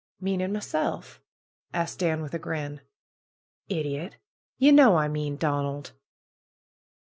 "Meaning myself?" asked Dan with a grin. "Idiot! Ye know I mean Donald."